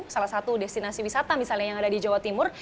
salah satu destinasi wisata misalnya yang ada di jawa timur